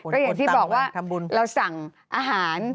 ก็อย่างที่บอกว่าเราสั่งอาหาร